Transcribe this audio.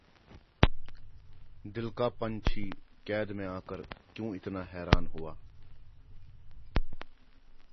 دل کا پنچھی قید میں آ کر کیوں اتنا حیران ہوا